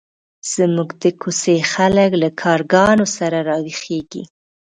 زموږ د کوڅې خلک له کارګانو سره راویښېږي.